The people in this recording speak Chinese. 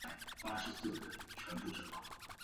西让村是边防重地。